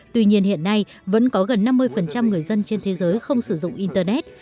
tuy nhiên hiện nay vẫn có gần năm mươi người dân trên thế giới không sử dụng internet